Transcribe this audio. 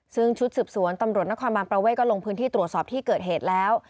ซึ่งชุดสืบสวนตำรวจนครบานประเวทก็ลงพื้นที่ตรวจสอบที่เกิดเหตุแล้ว